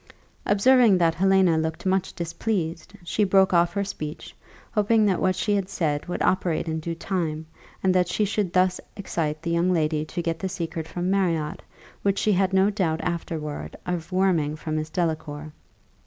Observing that Helena looked much displeased, she broke off her speech, hoping that what she had said would operate in due time, and that she should thus excite the young lady to get the secret from Marriott, which she had no doubt afterward of worming from Miss Delacour.